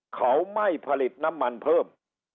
เขาไม่ผลิตน้ำมันเพิ่ม